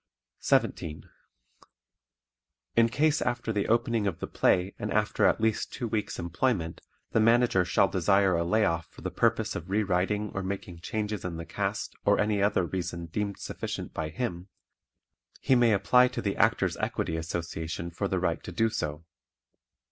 17. In case after the opening of the play and after at least two weeks' employment, the Manager shall desire a lay off for the purpose of re writing or making changes in the cast or any other reason deemed sufficient by him, he may apply to the Actors' Equity Association for the right to do so.